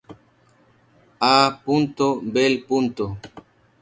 A. Bel.